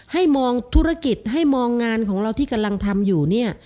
ให้มองธุรกิจให้มองงานของเราที่กำลังทำอยู่เนี่ย